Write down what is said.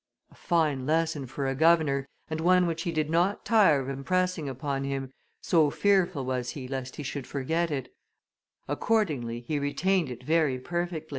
A fine lesson for a governor, and one which he did not tire of impressing upon him, so fearful was he lest he should forget it; accordingly he retained it very perfectly."